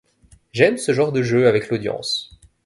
J’aime ce genre de jeu avec l’audience.